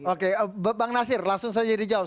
oke bang nasir langsung saya jadi jawab